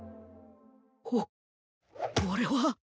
お俺は